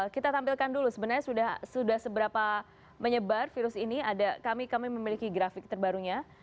kita tampilkan dulu sebenarnya sudah seberapa menyebar virus ini ada kami memiliki grafik terbarunya